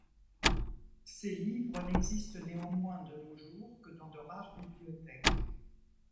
Ces livres n'existent néanmoins de nos jours que dans de rares bibliothèques.